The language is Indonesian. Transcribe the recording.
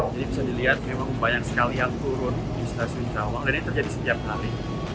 jadi bisa dilihat memang banyak sekali yang turun di stasiun cawang dan ini terjadi setiap hari